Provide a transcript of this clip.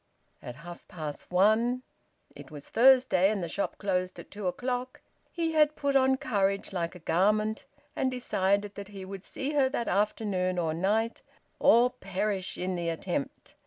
At half past one it was Thursday, and the shop closed at two o'clock he had put on courage like a garment, and decided that he would see her that afternoon or night, `or perish in the attempt.'